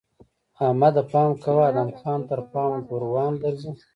احمده! پام کوه؛ ادم خان تر پام ګوروان درځي!